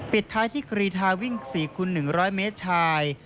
ปิดท้ายที่กรีทาวิ่ง๔คูณ๑๐๐เมตรชาย